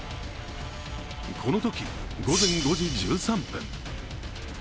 このとき、午前５時１３分。